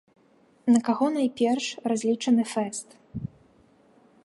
На каго найперш разлічаны фэст?